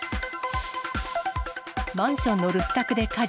マンションの留守宅で火事。